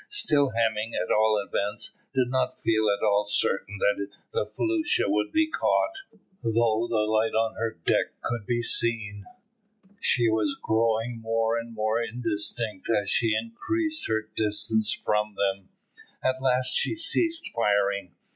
Still Hemming, at all events, did not feel at all certain that the felucca would be caught. Though the light on her deck could be seen, she was growing more and more indistinct as she increased her distance from them. At last she ceased firing.